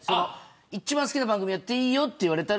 一番好きな番組やっていいよと言